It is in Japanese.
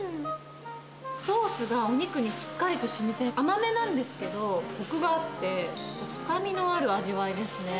ソースがお肉にしっかりとしみて、甘めなんですけど、こくがあって、深みのある味わいですね。